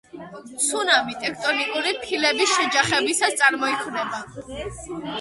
ცუნამი ტექტონიკური ფილების შეჯახებისას წარმოიქმნება